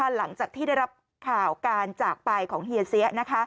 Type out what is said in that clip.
หลังจากที่ได้รับข่าวการจากไปของเฮียเสีย